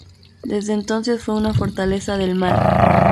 Desde entonces fue una fortaleza del mal.